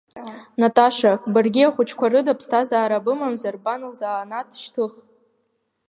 Наташа, баргьы, ахәыҷқәа рыда ԥсҭазаара бымамзар, бан лзанааҭ шьҭых.